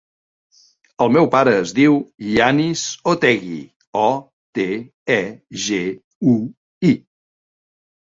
El meu pare es diu Yanis Otegui: o, te, e, ge, u, i.